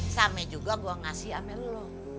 same juga gue ngasih amel lo